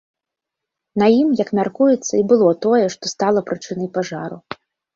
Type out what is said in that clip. На ім, як мяркуецца, і было тое, што стала прычынай пажару.